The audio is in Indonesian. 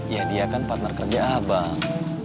ya dia kan partner kerja abang